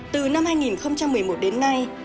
từ năm hai nghìn một mươi một đến nay